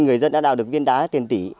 người dân đã đào được viên đá tiền tỷ